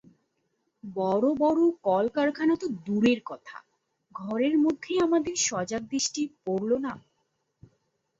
বড়ো বড়ো কলকারখানা তো দূরের কথা, ঘরের মধ্যেই আমাদের সজাগ দৃষ্টি পড়ল না।